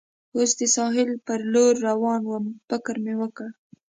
اوس د ساحل پر لور روان ووم، فکر مې وکړ.